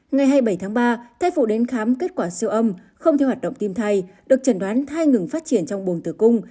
ngày hai mươi bảy tháng ba thai phụ đến khám kết quả siêu âm không theo hoạt động tim thay được trần đoán thai ngừng phát triển trong buồng tử cung